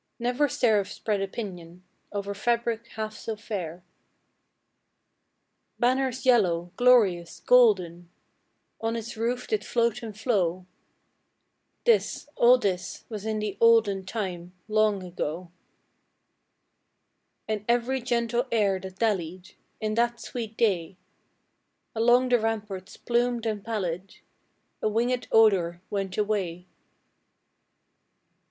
Never seraph spread a pinion Over fabric half so fair! Banners yellow, glorious, golden, On its roof did float and flow, (This all this was in the olden Time long ago), And every gentle air that dallied, In that sweet day, Along the ramparts plumed and pallid, A winged odor went away.